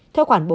theo quản bốn